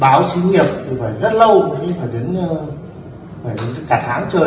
báo xí nghiệp thì phải rất lâu phải đến cả tháng trời